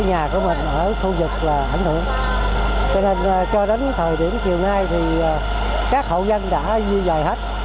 nhà của mình ở khu vực là ảnh hưởng cho nên cho đến thời điểm chiều nay thì các hộ dân đã di dời hết